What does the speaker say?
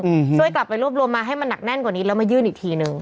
อืมช่วยกลับไปรวบรวมมาให้มันหนักแน่นกว่านี้แล้วมายื่นอีกทีหนึ่ง